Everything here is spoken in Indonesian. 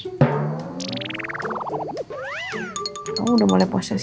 ya apa apa sekarang mau nemenin aku terus